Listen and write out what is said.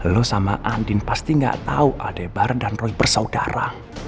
lo sama andin pasti gak tahu adebar dan bersaudara